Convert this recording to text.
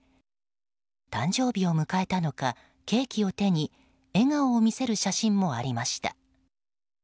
誕生日を迎えたのかケーキを手に笑顔を見せる写真もありました。